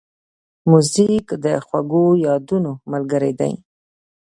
موزیک د خوږو یادونو ملګری دی.